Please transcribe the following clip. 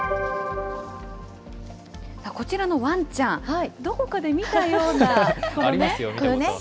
こちらのわんちゃん、どこかで見たような。ありますよね、見たこと。